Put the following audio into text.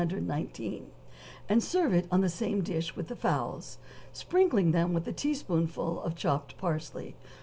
119, and serve it on the same dish with the fowls, sprinkling them with a teaspoonful of chopped parsley.